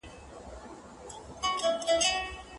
د معصيت د مجلس ميلمستيا دي نه منل کیږي.